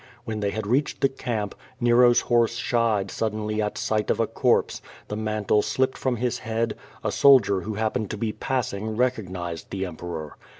When they had reached the camp, Nero's horse shied suddenly at sight of a corpse, the mantle slipped from his head, a soldier who hap pened to be passing, recognized the Emperor.